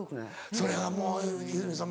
それはもう泉さん。